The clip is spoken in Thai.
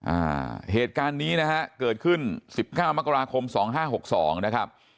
อ่าเหตุการณ์นี้นะฮะเกิดขึ้น๑๕มกราคม๒๕๖๒นะครับ